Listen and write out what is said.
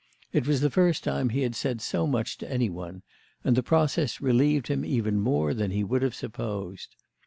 It was the first time he had said so much to any one, and the process relieved him even more than he would have supposed.